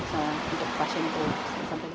untuk pasien itu